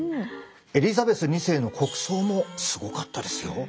エリザベス２世の国葬もすごかったですよ。